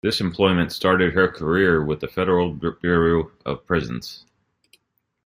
This employment started her career with the Federal Bureau of Prisons.